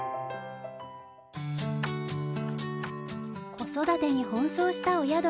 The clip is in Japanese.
子育てに奔走した親鳥。